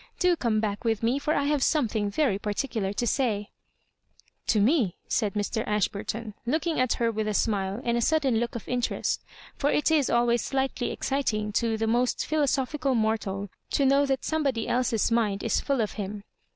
Do come back with me, for I have something very particular to say—" *'* To me ?" said Mr. Ashburton, looking at her with a smile and a sudden look of interest ; for it is always slightly exciting to the most philo sophical mortal to kndVv that somebody else's mind is' full of him.